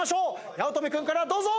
八乙女君からどうぞ！